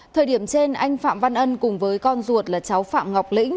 thời điểm trên anh phạm văn ân cùng với con ruột là cháu phạm ngọc lĩnh